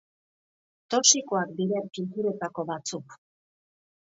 Toxikoak diren pinturetako batzuk.